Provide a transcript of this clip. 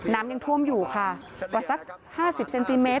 น้ำยังท่วมอยู่ค่ะกว่าสัก๕๐เซนติเมต